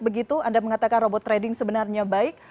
begitu anda mengatakan robot trading sebenarnya baik